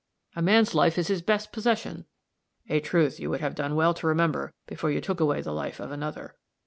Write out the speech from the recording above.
"A man's life is his best possession." "A truth you would have done well to remember before you took away the life of another.